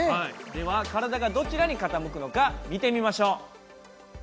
では体がどちらに傾くのか見てみましょう。